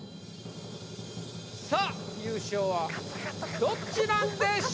さあ優勝はどっちなんでしょう？